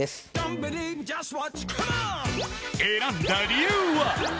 選んだ理由は？